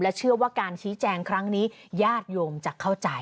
เชื่อว่าการชี้แจงครั้งนี้ญาติโยมจะเข้าใจ